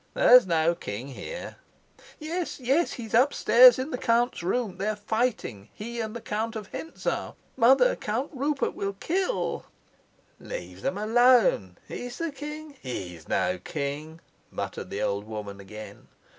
"There's no king here." "Yes, yes. He's upstairs in the count's room. They're fighting, he and the Count of Hentzau. Mother, Count Rupert will kill " "Let them alone. He the king? He's no king," muttered the old woman again.